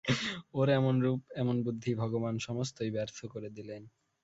ওর এমন রূপ এমন বুদ্ধি ভগবান সমস্তই ব্যর্থ করে দিলেন!